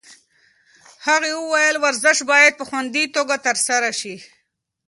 هغې وویل ورزش باید په خوندي توګه ترسره شي.